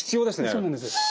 そうなんです。